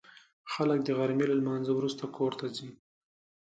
خلک د غرمې له لمانځه وروسته کور ته ځي